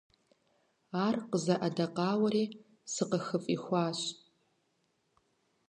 Ар къызэӀэдэкъауэри сыкъыхыфӀихуащ.